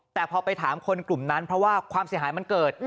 แต่พอไปถามคนกลุ่มนั้นเพราะว่าความเสียหายมันเกิด